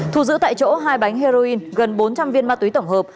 thu giữ tại chỗ hai bánh heroin gần bốn trăm linh viên ma túy tổng hợp